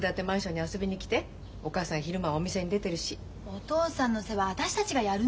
お父さんの世話私たちがやるの？